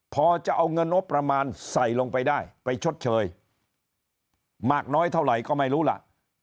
พอจะเอาเงินงบประมาณใส่ลงไปได้ไปชดเชยมากน้อยเท่าไหร่ก็ไม่รู้ล่ะ